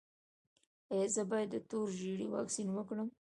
ایا زه باید د تور ژیړي واکسین وکړم؟